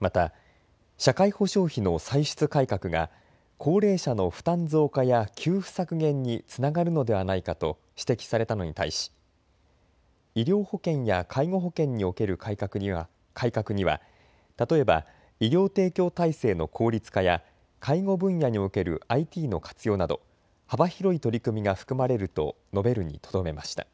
また、社会保障費の歳出改革が高齢者の負担増加や給付削減につながるのではないかと指摘されたのに対し医療保険や介護保険における改革には例えば医療提供体制の効率化や介護分野におけるＩＴの活用など幅広い取り組みが含まれると述べるにとどめました。